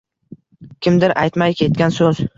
Kimdir aytmay ketgan so‘z